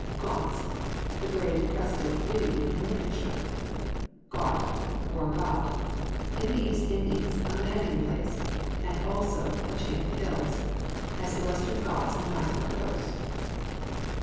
GAUNTS. The great crested grebe in Lincolnshire. GAUT, OR GHAUT. In the East Indies, a landing place; and also a chain of hills, as the Western Gauts, on the Mysore coast.